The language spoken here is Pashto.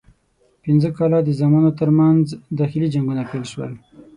پنځه کاله د زامنو ترمنځ داخلي جنګونه پیل شول.